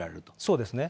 そうですね。